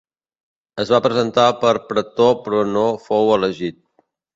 Es va presentar per pretor però no fou elegit.